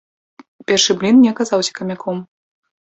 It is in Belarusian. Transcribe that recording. Першы блін не аказаўся камяком.